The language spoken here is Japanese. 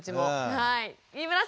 はい。